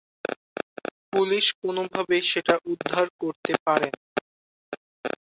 Police কোনোভাবেই সেটা উদ্ধার করতে পারেনা।